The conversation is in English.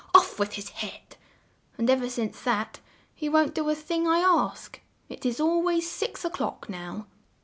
Off with his head!' And ev er since that, he won't do a thing I ask! It's al ways six o'clock now."